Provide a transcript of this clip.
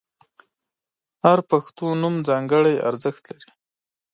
• هر پښتو نوم ځانګړی ارزښت لري.